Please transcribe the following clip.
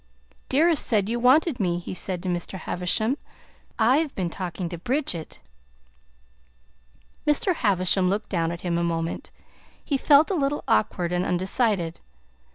"Dearest said you wanted me," he said to Mr. Havisham. "I've been talking to Bridget." Mr. Havisham looked down at him a moment. He felt a little awkward and undecided.